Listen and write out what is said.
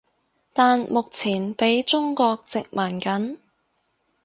但目前畀中國殖民緊